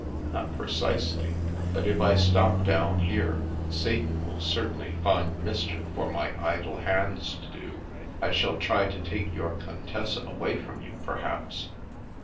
Not precisely. But if I stop down here, Satan will certainly find mischief for my idle hands to do. I shall try to take your Contessa away from you, perhaps."